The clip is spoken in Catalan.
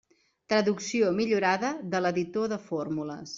Traducció millorada de l'editor de fórmules.